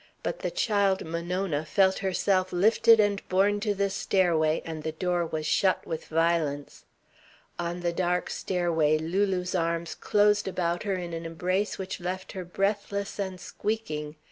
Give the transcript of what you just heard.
But the child Monona felt herself lifted and borne to the stairway and the door was shut with violence. On the dark stairway Lulu's arms closed about her in an embrace which left her breathless and squeaking.